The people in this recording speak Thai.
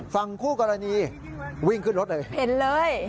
ฝั่งคู่กรณีวิ่งขึ้นรถเลยเห็นเลย